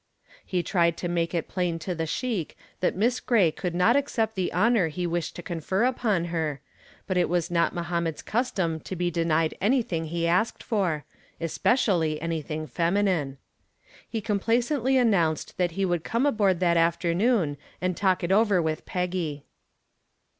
He tried to make it plain to the sheik that Miss Gray could not accept the honor he wished to confer upon her, but it was not Mohammed's custom to be denied anything he asked for especially anything feminine. He complacently announced that he would come aboard that afternoon and talk it over with Peggy.